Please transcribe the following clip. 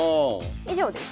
以上です。